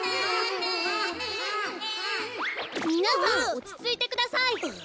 みなさんおちついてください。